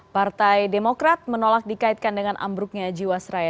partai demokrat menolak dikaitkan dengan ambruknya jiwasraya